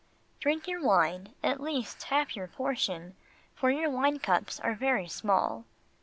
Drink your wine, at least half your portion, for your wine cups are very small.